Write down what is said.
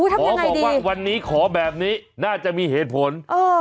ขอบอกว่าวันนี้ขอแบบนี้น่าจะมีเหตุผล